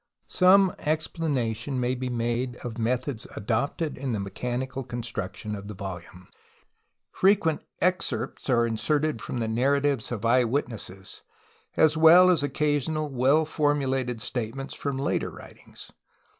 Some explanation may bemade of methods adopted in the mechanical construction of the volume. Frequent excerpts are inserted from the narratives of eye witnesses, as well as occasional well formulated statements from later writings.